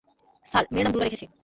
Sir, মেয়ের নাম দুর্গা রেখেছি।